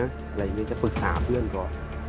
อะไรอย่างนี้จะปรึกษาเพื่อนก่อน